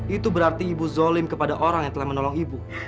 itu berarti ibu zolim kepada orang yang telah menolong ibu